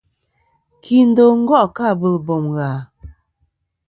Kindo gò' kɨ abɨl bom ghà?